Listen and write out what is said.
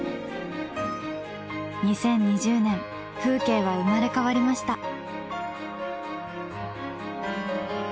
２０２０年風景は生まれ変わりました。